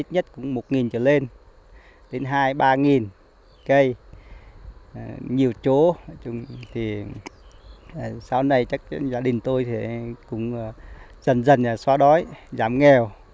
sau này gia đình tôi cũng dần dần xóa đói giảm nghèo